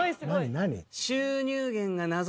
何？